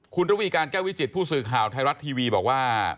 คุณระวีการแก้ววิจิตผู้สื่อข่าวไทยรัฐทีวีบอกว่า